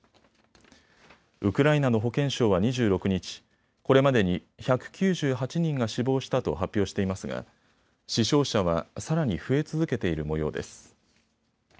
ウクライナの保健相は２６日、これまでに１９８人が死亡したと発表していますが死傷者はさらに増え続けているもようです。